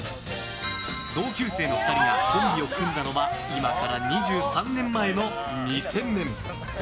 同級生の２人がコンビを組んだのは今から２３年前の２０００年。